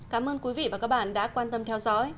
cảm ơn quý vị và các bạn đã quan tâm theo dõi